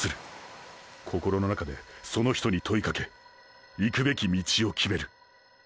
心の中でその人に問いかけ行くべき道を決める。